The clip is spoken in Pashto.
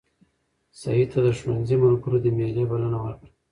سعید ته د ښوونځي ملګرو د مېلې بلنه ورکړه.